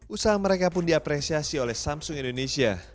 usaha mereka pun diapresiasi oleh samsung indonesia